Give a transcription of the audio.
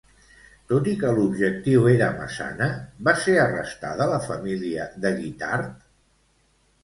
Tot i que l'objectiu era Massana, va ser arrestada la família de Guitart?